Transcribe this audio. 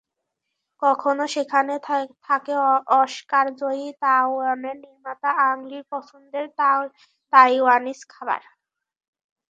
কখনো সেখানে থাকে অস্কারজয়ী তাইওয়ানের নির্মাতা অ্যাং লির পছন্দের তাইওয়ানিজ খাবার।